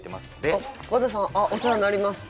あっお世話になります。